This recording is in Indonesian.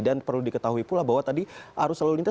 dan perlu diketahui pula bahwa tadi arus lalu lintas